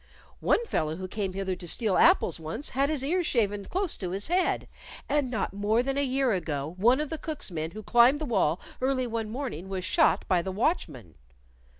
One fellow who came hither to steal apples once had his ears shaven close to his head, and not more than a year ago one of the cook's men who climbed the wall early one morning was shot by the watchman."